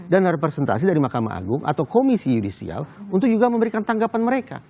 dan representasi dari mahkamah agung atau komisi judisial untuk juga memberikan tanggapan mereka